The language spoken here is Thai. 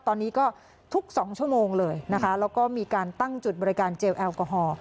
ตอนนี้ก็ทุก๒ชั่วโมงเลยนะคะแล้วก็มีการตั้งจุดบริการเจลแอลกอฮอล์